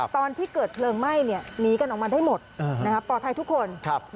ตอนที่เกิดเพลิงไหม้หนีกันออกมาได้หมดปลอดภัยทุกคน